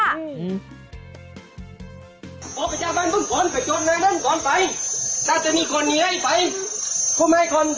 ทนออกไปเลย